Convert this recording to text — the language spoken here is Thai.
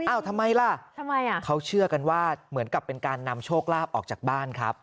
ทำไมล่ะทำไมอ่ะเขาเชื่อกันว่าเหมือนกับเป็นการนำโชคลาภออกจากบ้านครับ